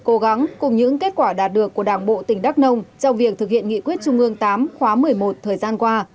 cố gắng cùng những kết quả đạt được của đảng bộ tỉnh đắk nông trong việc thực hiện nghị quyết trung ương tám khóa một mươi một thời gian qua